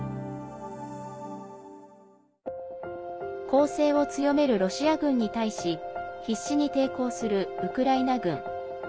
攻勢を強めるロシア軍に対し必死に抵抗するウクライナ軍。